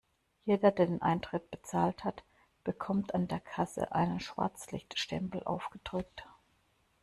Jeder, der den Eintritt bezahlt hat, bekommt an der Kasse einen Schwarzlichtstempel aufgedrückt.